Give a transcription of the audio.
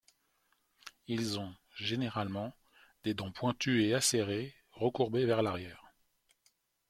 Ils ont, généralement, des dents pointues et acérées, recourbées vers l'arrière.